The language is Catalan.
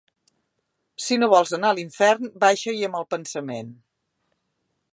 Si no vols anar a l'infern, baixa-hi amb el pensament.